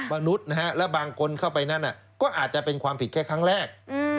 มนุษย์นะฮะแล้วบางคนเข้าไปนั้นก็อาจจะเป็นความผิดแค่ครั้งแรก